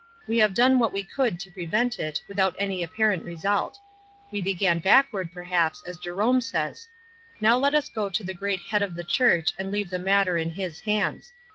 We have done what we could to prevent it, without any apparent result. We began backward, per haps, as Jerome says. Now let us go to the great Head of the Church and leave the matter in his hands.